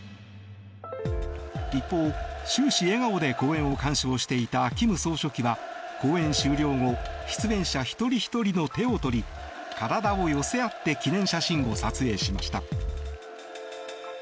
一方、終始笑顔で公演を鑑賞していた金総書記は公演終了後出演者一人ひとりの手を取り体を寄せ合って記念写真を撮影しました。